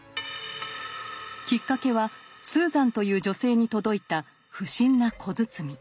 きっかけはスーザンという女性に届いた不審な小包。